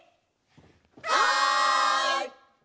はい！